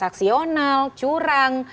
kalau kompetisinya transaksional curang